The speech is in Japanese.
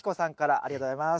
ありがとうございます。